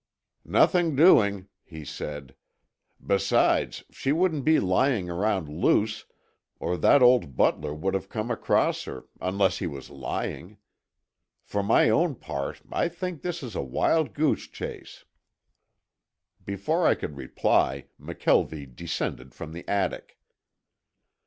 "Nothing doing," he said. "Besides, she wouldn't be lying around loose, or that old butler would have come across her, unless he was lying. For my own part, I think this is a wild goose chase." Before I could reply McKelvie descended from the attic.